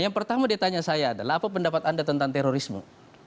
yang pertama dia tanya saya adalah apa pendapat anda tentang terorisme